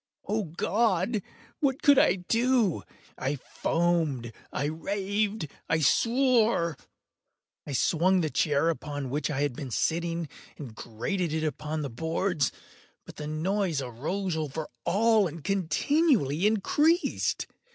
Oh God! what could I do? I foamed—I raved—I swore! I swung the chair upon which I had been sitting, and grated it upon the boards, but the noise arose over all and continually increased.